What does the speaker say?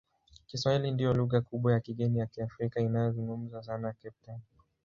Kiswahili ndiyo lugha kubwa ya kigeni ya Kiafrika inayozungumzwa sana Cape Town.